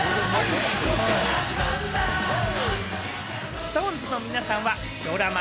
ＳｉｘＴＯＮＥＳの皆さんはドラマ『